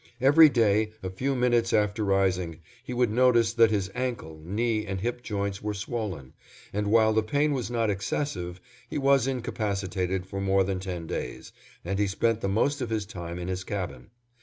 Every day, a few minutes after rising, he would notice that his ankle , knee and hip joints were swollen; and while the pain was not excessive, he was incapacitated for more than ten days, and he spent the most of his time in his cabin.